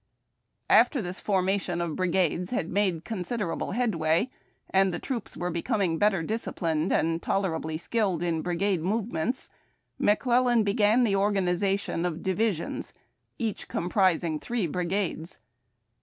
After this formation of brigades had made considerable headway, and the troops were becoming better disciplined and tolerably skilled in brigade movements, McClellan began the organization of Divisions, each comprising three brigades.